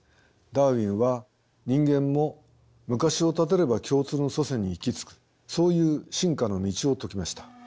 ダーウィンは人間も昔をたどれば共通の祖先に行き着くそういう進化の道を説きました。